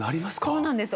そうなんです。